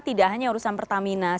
tidak hanya urusan pertamina